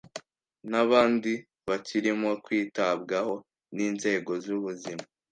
nabndi bakirimo kwitabwaho n’inzego z’ubuzima